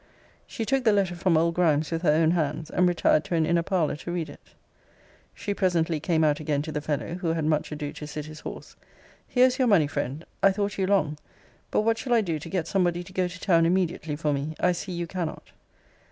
She took the letter from old Grimes with her own hands, and retired to an inner parlour to read it. She presently came out again to the fellow, who had much ado to sit his horse Here is your money, friend. I thought you long: but what shall I do to get somebody to go to town immediately for me? I see you cannot.